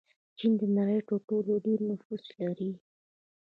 چین د نړۍ تر ټولو ډېر نفوس لري.